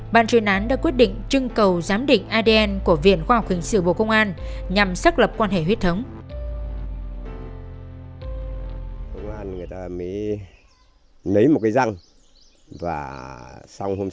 bàn truyền án đã quyết định trưng cầu giám định adn của viện khoa học kinh sự bộ công an nhằm xác lập quan hệ huyết thống